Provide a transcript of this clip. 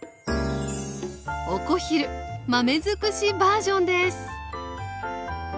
お小昼豆づくしバージョンです！